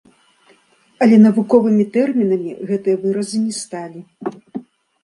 Але навуковымі тэрмінамі гэтыя выразы не сталі.